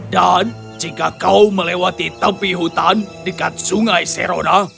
dan jika kau melewati tepi hutan dekat sungai serona